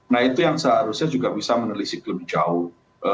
nah itu yang seharusnya juga bisa menelisik lebih jauh